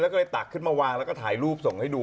แล้วก็เลยตักขึ้นมาวางแล้วก็ถ่ายรูปส่งให้ดู